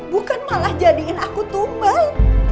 bukan malah jadiin aku tumbel